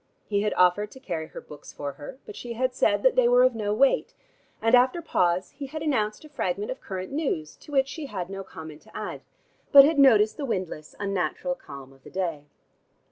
He had offered to carry her books for her, but she had said that they were of no weight, and after pause he had announced a fragment of current news to which she had no comment to add, but had noticed the windless, unnatural calm of the day.